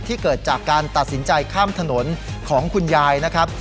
เกิดจากการตัดสินใจข้ามถนนของคุณยายนะครับ